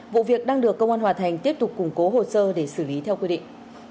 vụ việc đang được công an hòa thành tiếp tục củng cố hồ sơ để xử lý theo quy định